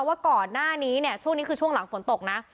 ว่าก่อนหน้านี้เนี่ยช่วงนี้คือช่วงหลังฝนตกนะ